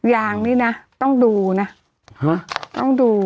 ยางนี่นะต้องดูนะต้องดู